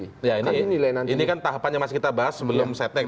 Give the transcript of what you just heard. ini kan tahapan yang masih kita bahas sebelum setnek